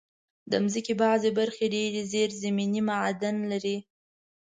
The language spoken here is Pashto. د مځکې بعضي برخې ډېر زېرزمینې معادن لري.